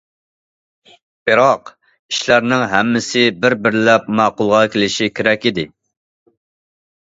بىراق، ئىشلارنىڭ ھەممىسى بىر- بىرلەپ ماقۇلغا كېلىشى كېرەك ئىدى.